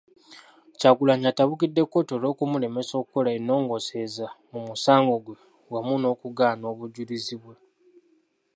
Kyagulanyi atabukidde kkooti olw'okumulemesa okukola ennongoosereza mu musango gwe wamu n'okugaana obujulizi bwe.